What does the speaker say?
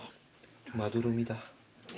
まどろみだ。